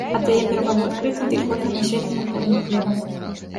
Аддае перавагу адкрытым, вільготным і асветленым горным глебам.